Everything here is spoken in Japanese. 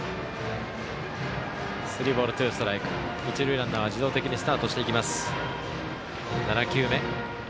一塁ランナーは自動的にスタートしていきます。